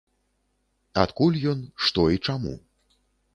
Адкуль ён, што і чаму.